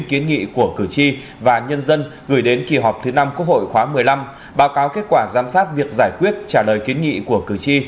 kiến nghị của cử tri và nhân dân gửi đến kỳ họp thứ năm quốc hội khóa một mươi năm báo cáo kết quả giám sát việc giải quyết trả lời kiến nghị của cử tri